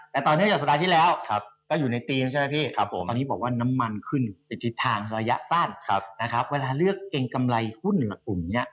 แล้วก็เป็นตลาดทุนที่กษณะของคุณไหลเข้ามากทั้งทั้งในปีนี้